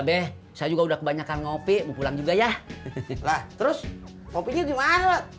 deh saya juga udah kebanyakan ngopi mau pulang juga ya terus kopinya gimana